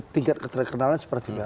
tingkat keterkenalan seperti apa